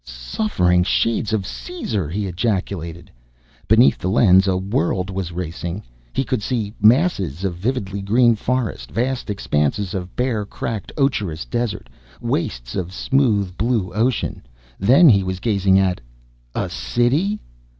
"Suffering shades of Caesar!" he ejaculated. Beneath the lens a world was racing. He could see masses of vividly green forest; vast expanses of bare, cracked, ocherous desert; wastes of smooth blue ocean. Then he was gazing at a city?